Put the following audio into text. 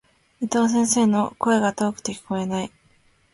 伊藤先生の、声が遠くて聞こえない。